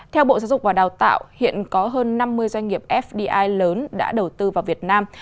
theo bộ giáo dục và đào tạo hiện có hơn năm mươi doanh nghiệp fdi lớn đã đầu tư vào việt nam